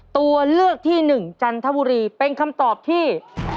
ตัวเลือกที่หนึ่งจันทบุรีเป็นคำตอบที่